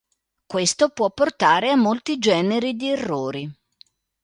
Questo può portare a molti generi di errori.